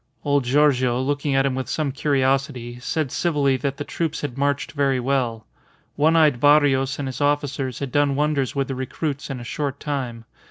Old Giorgio, looking at him with some curiosity, said civilly that the troops had marched very well. One eyed Barrios and his officers had done wonders with the recruits in a short time.